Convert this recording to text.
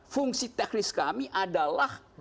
fungsi teknis kami adalah